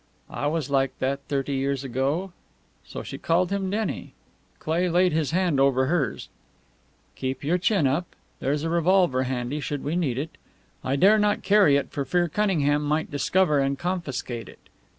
"I was like that thirty years ago." So she called him Denny? Cleigh laid his hand over hers. "Keep your chin up. There's a revolver handy should we need it. I dare not carry it for fear Cunningham might discover and confiscate it.